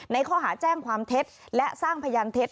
ในข้อหาแจ้งความเท็จและสร้างพยานเท็จ